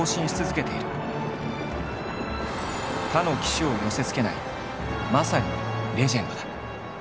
他の騎手を寄せつけないまさにレジェンドだ。